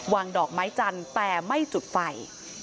ดอกไม้จันทร์แต่ไม่จุดไฟ